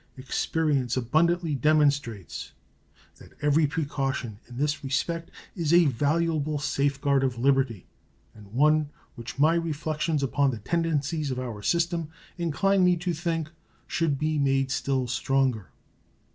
Experience abundantly demonstrates that every precaution in this respect is a valuable safe guard of liberty, and one which my reflections upon the tendencies of our system incline me to think should be made still stronger.